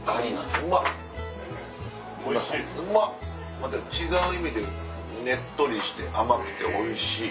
また違う意味でねっとりして甘くておいしい。